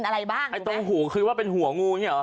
ให้ตัวงูคือว่าเป็นหัวงูนี้บ้าง